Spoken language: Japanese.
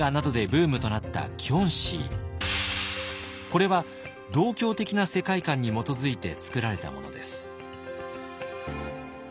これは道教的な世界観に基づいて作られたものです。